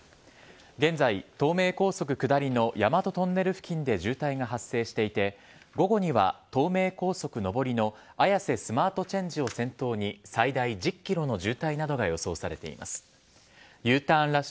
現在、東名高速下りの大和トンネル付近で渋滞が発生していて、午後には東名高速上りの綾瀬スマートチェンジを先頭に、最大１０キロの渋滞などが予想されています。